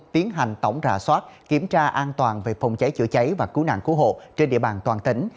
tiến hành tổng rạ soát kiểm tra an toàn về phòng cháy chữa cháy và cứu nạn cứu hộ trên địa bàn toàn tỉnh